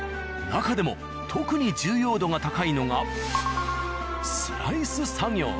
なかでも特に重要度が高いのがスライス作業。